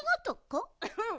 うん。